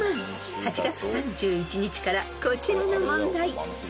［８月３１日からこちらの問題］